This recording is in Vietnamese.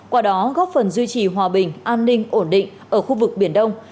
qua đó góp phần duy trì hòa bình an ninh ổn định ở khu vực biển đông